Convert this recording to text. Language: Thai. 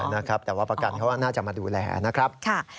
นะครับแต่ว่าประกันเขาน่าจะมาดูแลนะครับ